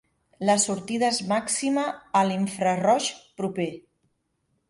La sortida és màxima a l'infraroig proper.